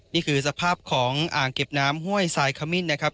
นี่คือสภาพของอ่างเก็บน้ำห้วยทรายขมิ้นนะครับ